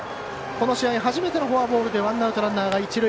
この試合、初めてのフォアボールでワンアウト、ランナー、１塁。